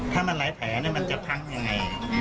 ถ้ามันไร้แผลมันจะทั้งยังไง